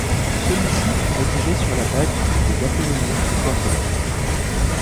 Celui-ci fut rédigé sur la base du traité d'Apollonius de Perga.